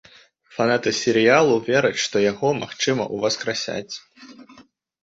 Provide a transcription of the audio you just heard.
Фанаты серыялу вераць, што яго, магчыма, уваскрасяць.